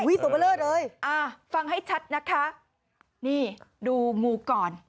อุ้ยตัวเบลอดเลยฟังให้ชัดนะคะนี่ดูงูก่อน